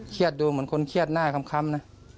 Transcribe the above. ดูเหมือนคนเครียดหน้าคำนะ